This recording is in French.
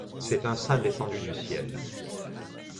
C'est un saint descendu du ciel.